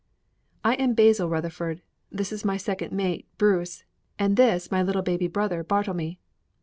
"I am Basil Rutherford, this is my second mate, Bruce, and this my little baby brother Bartlemy.